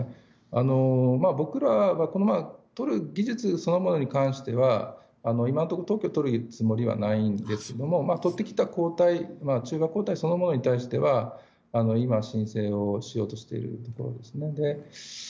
僕らはとる技術そのものに関しては今のところ特許を取るつもりはないんですがとってきた中和抗体そのものに対しては申請をしようとしています。